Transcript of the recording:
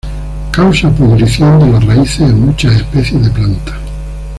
Causa pudrición de las raíces en muchas especies de plantas.